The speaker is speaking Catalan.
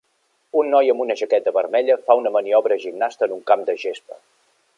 Un noi amb una jaqueta vermella fa una maniobra gimnasta en un camp de gespa.